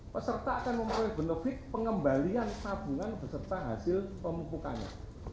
peserta akan memperoleh benefit pengembalian tabungan beserta hasil pemumpukannya